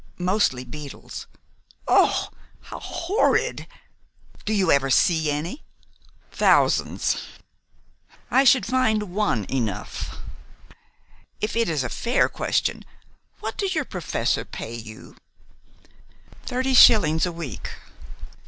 "Mostly beetles." "Oh, how horrid! Do you ever see any?" "Thousands." "I should find one enough. If it is a fair question, what does your professor pay you?" "Thirty shillings a week.